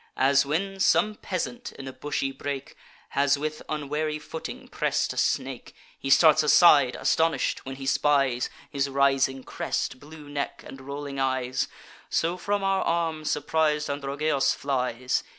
As when some peasant, in a bushy brake, Has with unwary footing press'd a snake; He starts aside, astonish'd, when he spies His rising crest, blue neck, and rolling eyes; So from our arms surpris'd Androgeos flies.